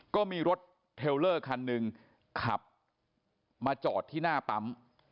ก็มีรถเทลเลอร์คันหนึ่งขับมาจอดที่หน้าปั๊ม